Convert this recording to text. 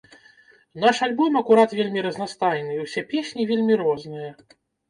Наш альбом акурат вельмі разнастайны і ўсе песні вельмі розныя.